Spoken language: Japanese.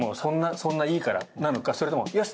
そんないいからなのかそれとも、よし！